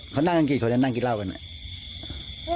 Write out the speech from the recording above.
เขานั่งกันกี่นั่งกินเหล้ากันเนี่ย